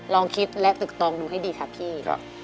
ลองคิดและตึกตองดูให้ดีค่ะพี่